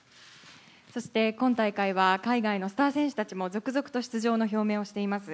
そして今大会は海外のスター選手たちも続々と出場を表明しています。